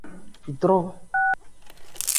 Dron.